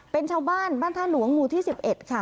เป็นชาวบ้านบ้านท่าหลวงหมู่ที่๑๑ค่ะ